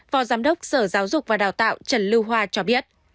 phó giám đốc sở giáo dục và đào tạo trần lưu hoa cho biết